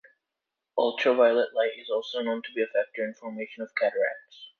Ultraviolet light is also known to be a factor in formation of cataracts.